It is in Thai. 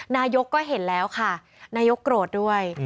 นายกก็เห็นแล้วค่ะนายกโกรธด้วย